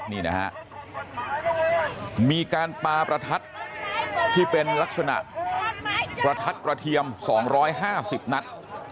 นี่นะฮะมีการปาประทัดที่เป็นลักษณะประทัดกระเทียม๒๕๐นัด